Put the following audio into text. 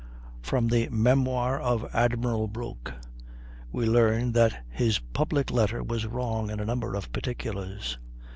From the "Memoir of Admiral Broke" we learn that his public letter was wrong in a number of particulars.